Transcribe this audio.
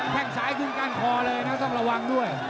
แค่งซ้ายขึ้นก้านคอเลยนะต้องระวังด้วย